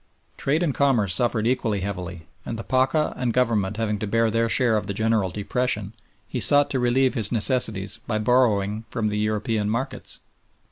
Trade and commerce suffered equally heavily, and the Pacha and Government having to bear their share of the general depression, he sought to relieve his necessities by borrowing from the European markets.